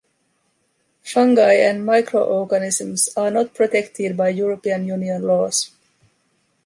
Fungi and microorganisms are not protected by European Union laws.